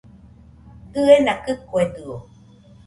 Diena kɨkuedɨo